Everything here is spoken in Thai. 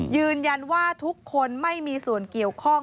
ยืนยันว่าทุกคนไม่มีส่วนเกี่ยวข้อง